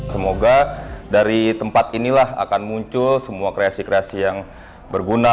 semoga dari tempat inilah akan muncul semua kreasi kreasi yang berguna